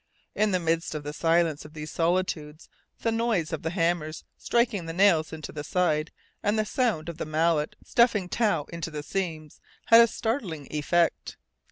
In the midst of the silence of these solitudes, the noise of the hammers striking nails into the side, and the sound of the mallet stuffing tow into the seams, had a startling effect.